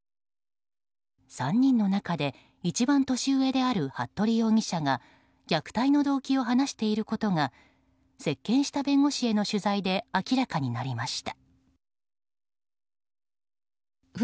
３人の中で、一番年上である服部容疑者が虐待の動機を話していることが接見した弁護士への取材で明らかになりました。